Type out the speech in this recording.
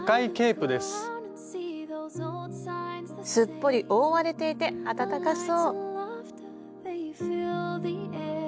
すっぽり覆われていて暖かそう。